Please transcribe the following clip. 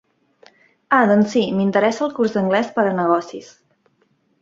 Ah doncs si, m'interessa el curs d'anglès per a negocis.